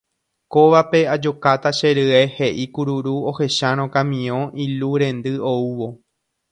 Kóvape ajokáta che rye he'i kururu ohechárõ kamiõ ilu rendy oúvo